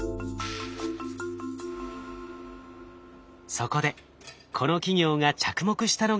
そこでこの企業が着目したのがこちら。